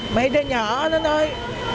mấy đứa nhỏ nó nói